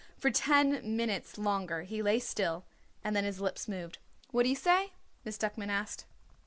For ten minutes longer he lay still and then his lips moved. "What did you say?" Miss Duckman asked.